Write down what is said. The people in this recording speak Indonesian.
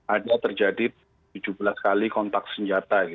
ada terjadi tujuh belas kali kontak senjata